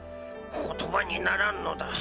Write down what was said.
言葉にならんのだ！